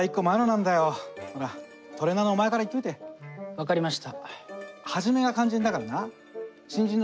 分かりました。